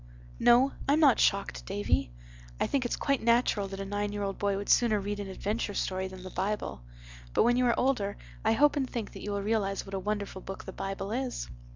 "No, I'm not shocked, Davy. I think it's quite natural that a nine year old boy would sooner read an adventure story than the Bible. But when you are older I hope and think that you will realize what a wonderful book the Bible is."